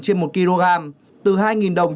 trên một kg từ hai đồng